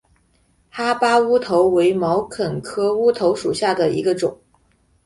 哈巴乌头为毛茛科乌头属下的一个种。